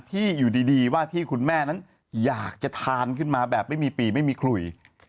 ที่อยู่ดีว่าที่คุณแม่นั้นอยากจะทานขึ้นมาแบบไม่มีปีไม่มีขลุย